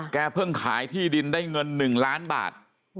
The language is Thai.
เพิ่งขายที่ดินได้เงิน๑ล้านบาท